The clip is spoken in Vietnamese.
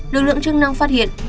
lực lượng chức năng phát hiện